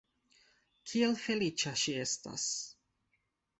Kiel feliĉa ŝi estas!